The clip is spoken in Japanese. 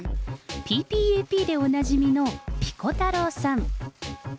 ＰＰＡＰでおなじみのピコ太郎さん。